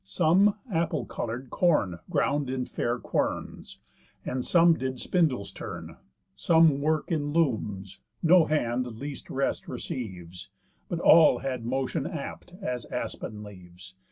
Some apple colour'd corn Ground in fair querns, and some did spindles turn, Some work in looms; no hand least rest receives, But all had motion apt as aspen leaves.